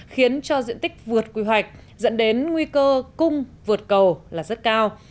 khiến cho diện tích vượt quy hoạch dẫn đến nguy cơ cung vượt cầu là rất cao